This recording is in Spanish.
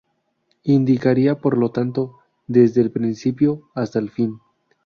Indicaría, por lo tanto, "desde el principio hasta el fin".